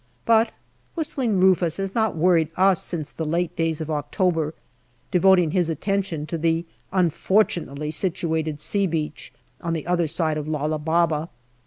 But " Whist ling Rufus " has not worried us since the late days of October, devoting his attention to the unfortunately situated " C " Beach on the other side of Lala Baba.